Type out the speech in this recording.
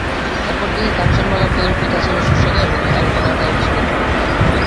অপর দিকে কাঞ্চনমালার তৈরি পিঠা ছিল সুস্বাদু এবং আলপনা আঁকাও ছিল চমৎকার।